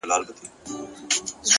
د کوټې دننه رڼا د بهر تیاره نرموي!.